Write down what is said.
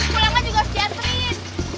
kulangnya juga harus di aslin